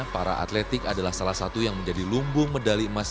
para atletik adalah salah satu yang menjadi lumbung medali emas